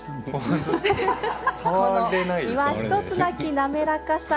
この、しわ１つなき滑らかさ。